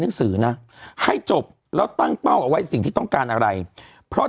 หนังสือนะให้จบแล้วตั้งเป้าเอาไว้สิ่งที่ต้องการอะไรเพราะ